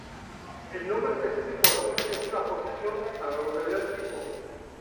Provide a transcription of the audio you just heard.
El nombre específico azul es en aposición a la localidad tipo.